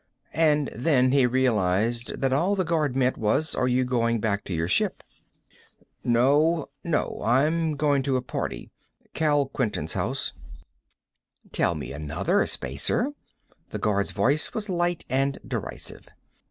And then he realized that all the guard meant was, are you going back to your ship? "No. No, I'm going to a party. Kal Quinton's house." "Tell me another, Spacer." The guard's voice was light and derisive.